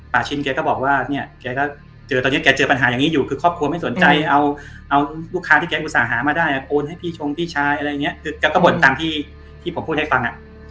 ชินแกก็บอกว่าเนี่ยแกก็เจอตอนนี้แกเจอปัญหาอย่างนี้อยู่คือครอบครัวไม่สนใจเอาลูกค้าที่แกอุตส่าห์มาได้โอนให้พี่ชงพี่ชายอะไรอย่างเงี้ยคือแกก็บ่นตามที่ที่ผมพูดให้ฟังอ่ะ